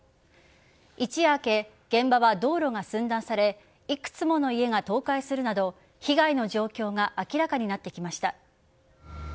一夜明け、現場は道路が寸断されいくつもの家が倒壊するなど被害の状況が明らかになってきました。